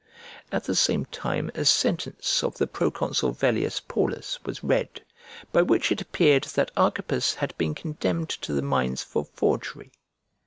At the same time a sentence of the proconsul Velius Paullus was read, by which it appeared that Archippus had been condemned to the mines for forgery.